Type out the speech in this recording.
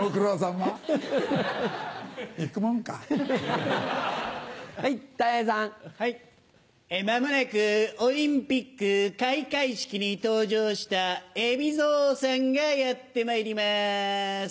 まもなくオリンピック開会式に登場した海老蔵さんがやってまいります。